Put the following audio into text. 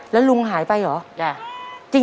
แล้วลุงหายไปเหรอ